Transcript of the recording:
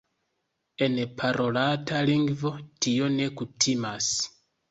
En parolata lingvo tio ne kutimas.